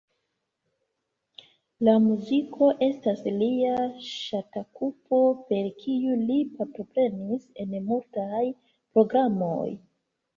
La muziko estas lia ŝatokupo, per kiu li partoprenis en multaj programoj.